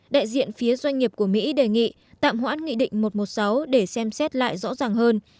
đại diện phía doanh nghiệp của mỹ đề nghị tạm hoãn nghị định một trăm một mươi sáu để xem xét lại rõ ràng hơn